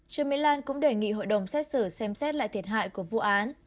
trương mỹ lan cũng đề nghị hội đồng xét xử xem xét lại thiệt hại của vụ án